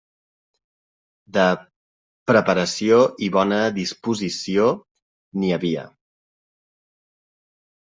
De preparació i bona disposició n'hi havia.